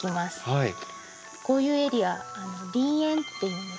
こういうエリア「林縁」というんです。